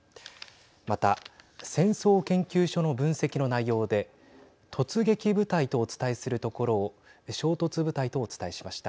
また、戦争研究所の分析の内容で突撃部隊とお伝えするところを衝突部隊とお伝えしました。